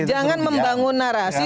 jangan membangun narasi